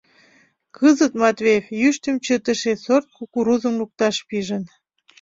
Кызыт Матвеев йӱштым чытыше сорт кукурузым лукташ пижын.